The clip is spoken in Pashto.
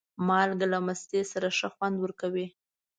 مالګه له مستې سره ښه خوند ورکوي.